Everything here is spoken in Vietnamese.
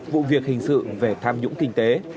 vụ việc hình sự về tham nhũng kinh tế